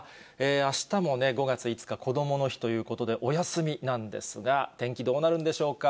あしたも５月５日こどもの日ということで、お休みなんですが、天気どうなるんでしょうか。